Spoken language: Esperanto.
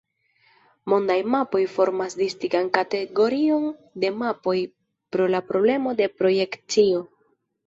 Mondaj mapoj formas distingan kategorion de mapoj pro la problemo de projekcio.